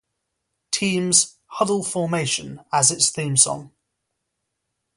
Team's "Huddle Formation" as its theme song.